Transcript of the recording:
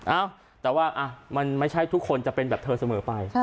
เอ้าแต่ว่ามันไม่ใช่ทุกคนจะเป็นแบบเธอเสมอไป